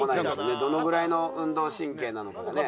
どのぐらいの運動神経なのかがね。